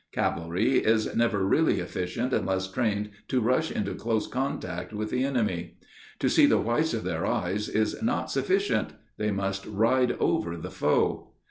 Cavalry is never really efficient unless trained to rush into close contact with the enemy. To see the whites of their eyes is not sufficient; they must ride over the foe.